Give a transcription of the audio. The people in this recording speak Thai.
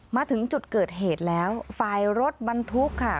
มาถึงจุดเกิดเหตุแล้วฝ่ายรถบรรทุกค่ะ